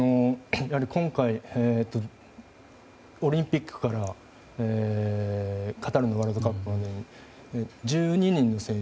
今回、オリンピックからカタールのワールドカップまで１２人の選手。